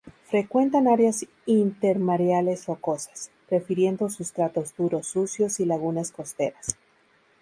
Frecuentan áreas intermareales rocosas, prefiriendo sustratos duros sucios y lagunas costeras.